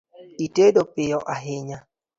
Itedo piyo ahinya